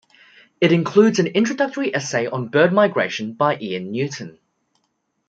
It includes an introductory essay on bird migration by Ian Newton.